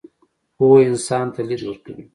پوهه انسان ته لید ورکوي.